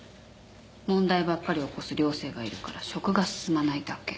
問題ばっかり起こす寮生がいるから食が進まないだけ。